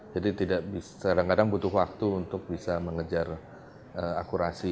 jadi tidak bisa kadang kadang butuh waktu untuk bisa mengejar akurasi